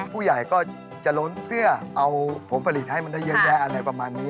ผู้ใหญ่ก็จะล้นเพื่อเอาผลผลิตให้มันได้เยอะแยะอะไรประมาณนี้